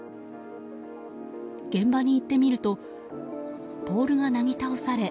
現場に行ってみるとポールがなぎ倒され